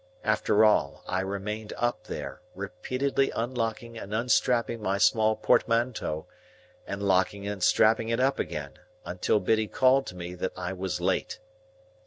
After all, I remained up there, repeatedly unlocking and unstrapping my small portmanteau and locking and strapping it up again, until Biddy called to me that I was late.